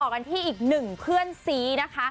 กันที่อีกหนึ่งเพื่อนซีนะคะ